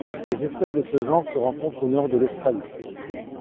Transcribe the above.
Les espèces de ce genre se rencontrent au nord de l'Australie.